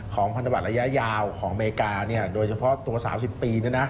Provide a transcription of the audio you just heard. พันธบัตรระยะยาวของอเมริกาโดยเฉพาะตัว๓๐ปี